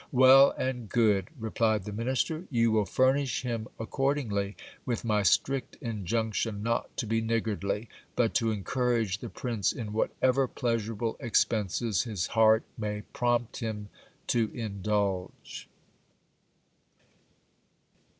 Well and good ! replied the minister ; you will furnish him accordingly, with my strict injunction not to be niggardly, but to encourage the prince in whatever pleasurable expenses his heart may prompt him to indulge.